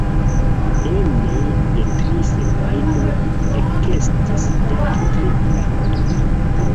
Ene de tri semajnoj ekestis dek tri kantoj.